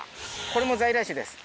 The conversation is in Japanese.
これも在来種です